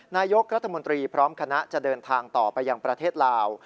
นายกรัฐมนตรีพร้อมคณะจะเดินทางต่อไปยังประเทศลาว